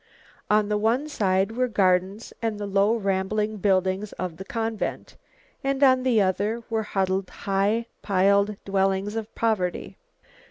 On the one side were gardens and the low rambling buildings of the convent, and on the other were huddled high piled dwellings of poverty.